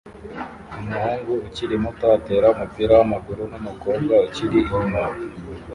Umuhungu ukiri muto atera umupira wamaguru numukobwa ukiri inyuma